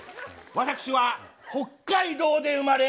私は北海道で生まれ